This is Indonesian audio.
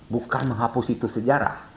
bukan menghapus itu sejarah